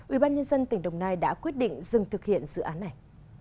ubnd tỉnh đồng nai đã quyết định dừng thực hiện dự án này